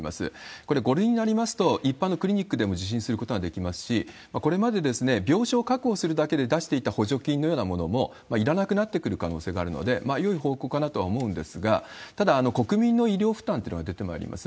これ、５類になりますと、一般のクリニックでも受診することができますし、これまで、病床を確保するだけで出していた補助金のようなものもいらなくなってくる可能性があるので、よい方向かなとは思うんですが、ただ、国民の医療負担ってのが出てまいります。